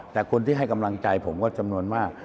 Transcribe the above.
แต่คนที่ให้กำลังใจผมก็จำนวนมาก